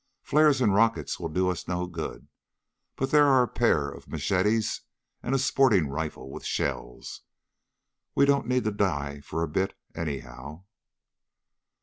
Flares and rockets will do us no good, but there are a pair of machetes and a sporting rifle with shells. We don't need to die for a bit, anyhow."